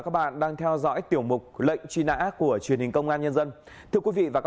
công an tỉnh thừa thiên huế